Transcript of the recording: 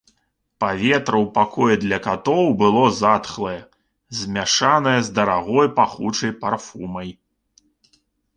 Паветра ў пакоі для катоў было затхлае, змяшанае з дарагой пахучай парфумай.